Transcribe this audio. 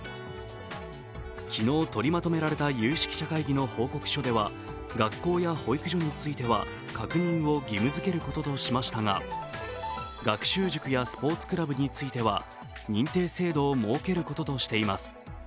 昨日取りまとめられた有識者会議の報告書では学校や保育所については確認を義務づけることとしましたが、学習塾やスポーツクラブについては、認定制度を設けることとしています。